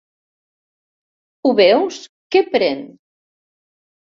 ¿Ho veus, què pren?